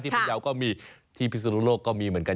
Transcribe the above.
ที่พญเยาก็มีที่พิสุทธิโรคก็มีเหมือนกัน